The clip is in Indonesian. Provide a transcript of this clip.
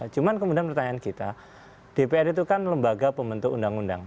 cuma kemudian pertanyaan kita dpr itu kan lembaga pembentuk undang undang